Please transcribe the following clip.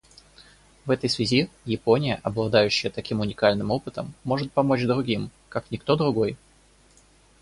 В этой связи Япония, обладающая таким уникальным опытом, может помочь другим как никто другой.